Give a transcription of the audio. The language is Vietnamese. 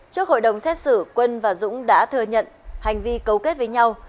trước hội đồng xét xử quân và dũng đã thừa nhận hành vi cấu kết với nhau